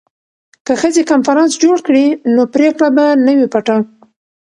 که ښځې کنفرانس جوړ کړي نو پریکړه به نه وي پټه.